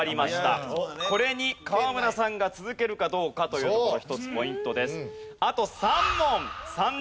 これに河村さんが続けるかどうかというところが一つポイントです。